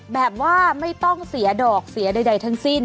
แบบว่าไม่ต้องเสียดอกเสียใดทั้งสิ้น